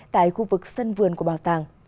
tại khu vực sân vườn của bảo tàng